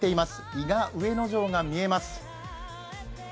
伊賀上野城が見えます。